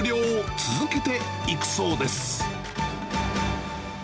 続けていくそうです。